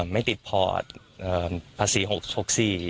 ไม่ติดพอร์ตภาษี๖๖๔